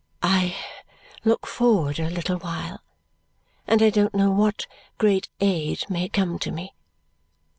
"I look forward a little while, and I don't know what great aid may come to me.